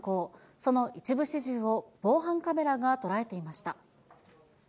その一部始終を防犯カメラが捉えていました。